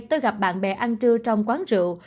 tôi gặp bạn bè ăn trưa trong quán rượu